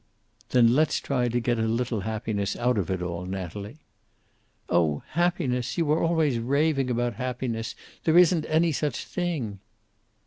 "Then let's try to get a little happiness out of it all, Natalie." "Oh, happiness! You are always raving about happiness. There isn't any such thing."